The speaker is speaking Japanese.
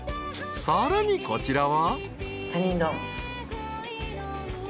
［さらにこちらは］